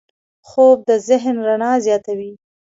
خوب د ذهن رڼا زیاتوي